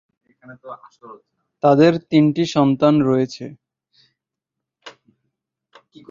তাদের তিনটি সন্তান রয়েছে।